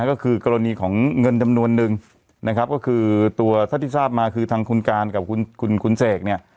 ก็คือกรณีของเงินจำนวนนึงนะครับก็คือตัวเท่าที่ทราบมาคือทางคุณการกับคุณคุณเสกเนี่ย